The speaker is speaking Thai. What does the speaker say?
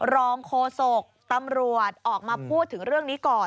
รองโฆษกตำรวจออกมาพูดถึงเรื่องนี้ก่อน